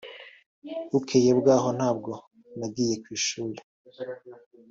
Bukeye bwaho ntabwo nagiye ku ishuli